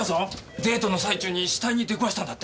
デートの最中に死体に出くわしたんだって？